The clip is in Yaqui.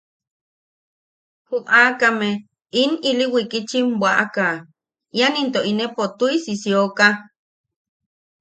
Ju aakame in ili wikitchim bwaʼaka ian into inepo tuʼisi sioka.